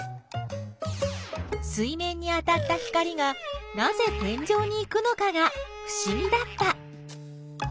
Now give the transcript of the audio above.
水面に当たった光がなぜ天井に行くのかがふしぎだった。